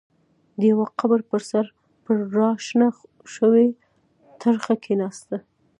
د يوه قبر پر سر پر را شنه شوې ترخه کېناسته.